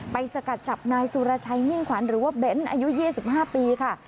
สกัดจับนายสุรชัยมิ่งขวัญหรือว่าเบ้นอายุ๒๕ปีค่ะ